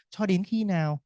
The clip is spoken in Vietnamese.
cho đến khi nào